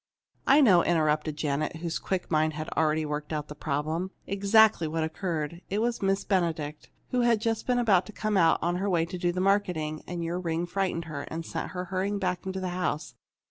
"I know," interrupted Janet, whose quick mind had already worked out the problem, "exactly what occurred. It was Miss Benedict, who had been just about to come out on her way to do the marketing. And your ring frightened her, and sent her hurrying back into the house.